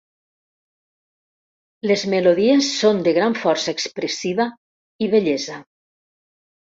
Les melodies són de gran força expressiva i bellesa.